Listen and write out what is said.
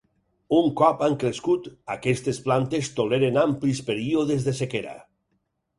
Un cop han crescut, aquestes plantes toleren amplis períodes de sequera.